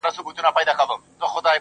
په سپورږمۍ كي ستا تصوير دى_